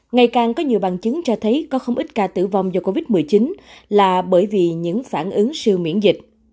ngày càng có nhiều bằng chứng cho thấy có không ít ca tử vong do covid một mươi chín là bởi vì những phản ứng siêu miễn dịch